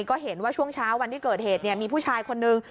ก็เห็นว่าช่วงเช้าวันที่เกิดเหตุมีผู้ชายคนนึง